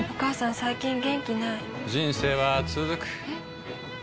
最近元気ない人生はつづくえ？